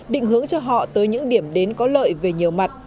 định hướng cho họ tới những điểm đến có lợi về nhiều mặt